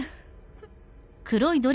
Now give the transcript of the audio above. フッ。